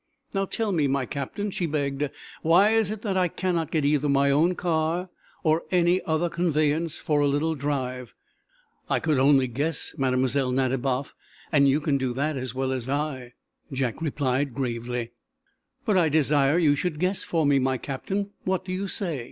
"Now, tell me, my Captain," she begged, "why it is that I cannot get either my own car, or any other conveyance, for a little drive?" "I could only guess, Mlle. Nadiboff, and you can do that as well as I," Jack replied, gravely. "But I desire you should guess for me, my Captain. What do you say?"